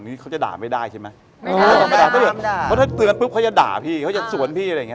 นี่เขาจะด่าไม่ได้ใช่ไหมถ้าเกิดด่าเพราะถ้าเตือนปุ๊บเขาจะด่าพี่เขาจะสวนพี่อะไรอย่างเง